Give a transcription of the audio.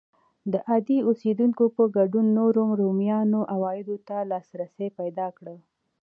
د عادي اوسېدونکو په ګډون نورو رومیانو عوایدو ته لاسرسی پیدا کړ.